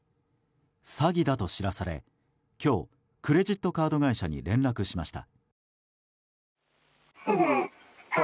詐欺だと知らされ今日、クレジットカード会社に連絡しました。